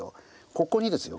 ここにですよ